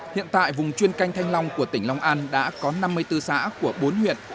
hiện tại vùng chuyên canh thanh long của tỉnh long an đã có năm mươi bốn xã của bốn huyện